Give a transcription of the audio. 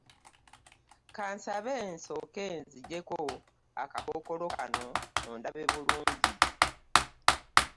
Ka nsabe nsooke nzigyeko akakookolo kano ondabe bulungi.